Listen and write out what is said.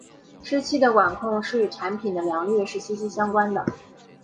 湿气的管控是与产品的良率是息息相关的。